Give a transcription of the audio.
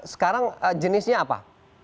sekarang jenisnya apa